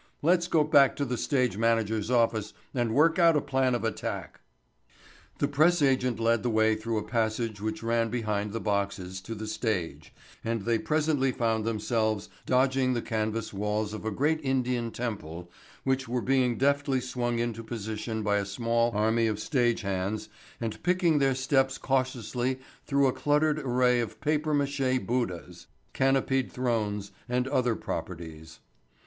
Let's go back to the stage manager's office and work out a plan of attack." The press agent led the way through a passage which ran behind the boxes to the stage and they presently found themselves dodging the canvas walls of a great Indian temple which were being deftly swung into position by a small army of stage hands and picking their steps cautiously through a cluttered array of papier mache Buddhas, canopied thrones and other properties.